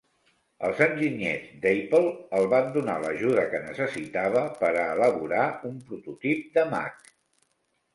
Els enginyers d'Apple el van donar l'ajuda que necessitava per a elaborar un prototip de Mac.